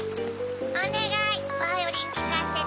おねがいバイオリンきかせて！